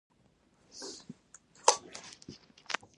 کوم ډول ښکار کبانو، هګیو او بچیو ته زیان رسوي په سیندونو کې.